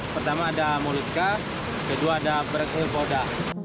pertama ada molusca kedua ada berkelboda